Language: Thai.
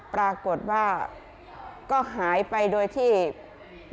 ปรากฏว่าก็หายไปโดยที่ไม่มีค่อยหายไปเรื่อย